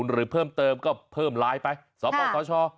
หรือเพิ่มเติมก็เพิ่มไลน์ไปสอบออกข้อช่อ